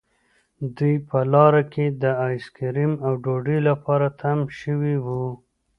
دوی په لاره کې د آیس کریم او ډوډۍ لپاره تم شوي وو